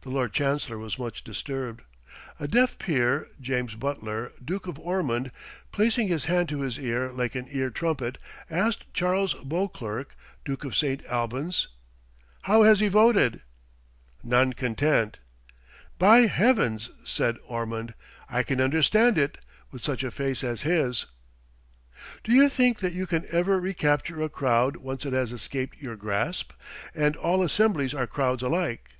The Lord Chancellor was much disturbed. A deaf peer, James Butler, Duke of Ormond, placing his hand to his ear like an ear trumpet, asked Charles Beauclerk, Duke of St. Albans, "How has he voted?" "Non content." "By heavens!" said Ormond, "I can understand it, with such a face as his." Do you think that you can ever recapture a crowd once it has escaped your grasp? And all assemblies are crowds alike.